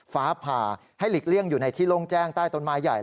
ฟ้าผ่าให้หลีกเลี่ยงอยู่ในที่โล่งแจ้งใต้ต้นไม้ใหญ่